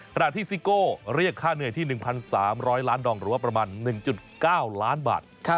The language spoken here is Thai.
ซิโก้เรียกค่าเหนื่อยที่๑๓๐๐ล้านดองหรือว่าประมาณ๑๙ล้านบาท